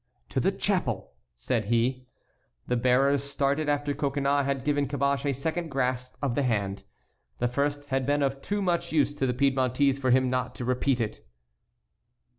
"To the chapel," said he. The bearers started after Coconnas had given Caboche a second grasp of the hand. The first had been of too much use to the Piedmontese for him not to repeat it.